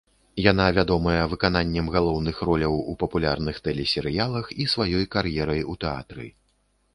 Яна вядомая выкананнем галоўных роляў у папулярных тэлесерыялах і сваёй кар'ерай у тэатры.